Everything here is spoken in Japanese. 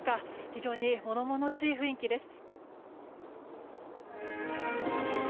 非常に物々しい雰囲気です。